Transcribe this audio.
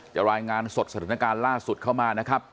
รายงานสดสถานการณ์ล่าสุดเข้ามานะครับ